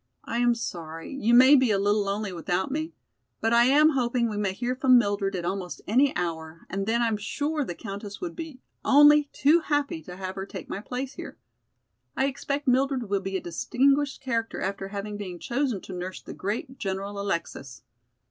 I am sorry, you may be a little lonely without me. But I am hoping we may hear from Mildred at almost any hour and then I'm sure the Countess would be only too happy to have her take my place here. I expect Mildred will be a distinguished character after having been chosen to nurse the great General Alexis."